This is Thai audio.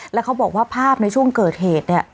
แล้วเขาบอกว่าภาพในช่วงเกิดเหตุเนี่ย